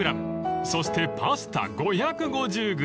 ［そしてパスタ５５０ｇ］